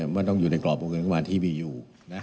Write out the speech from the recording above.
มันต้องอยู่ในกรอบบังเกินขวาที่มีอยู่